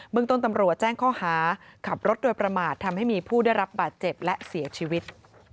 เมืองต้นตำรวจแจ้งข้อหาขับรถโดยประมาททำให้มีผู้ได้รับบาดเจ็บและเสียชีวิต